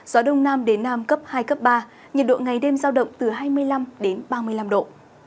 gió đông nam đến nam cấp hai cấp ba nhiệt độ ngày đêm giao động từ hai mươi năm đến ba mươi năm độ